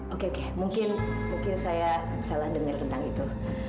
oke oke mungkin saya salah dengar tentang itu